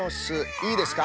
いいですか。